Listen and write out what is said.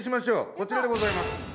こちらでございます。